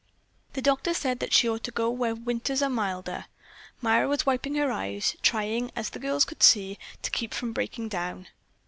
The doctor said that she ought to go where the winters are milder." Myra was wiping her eyes, trying, as the girls could see, to keep from breaking down.